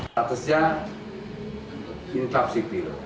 stratusnya ini taksi